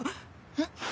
えっ？